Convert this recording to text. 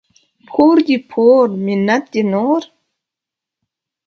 پور دي پور ، منت دي نور.